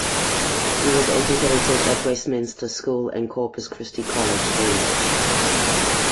He was educated at Westminster School and Corpus Christi College, Cambridge.